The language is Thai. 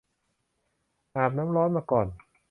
อาบน้ำร้อนมาก่อน